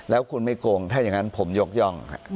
แล้วคุณไม่โกงถ้าอย่างนั้นผมยกย่อง